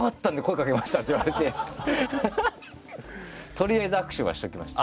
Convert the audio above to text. とりあえず握手はしておきました。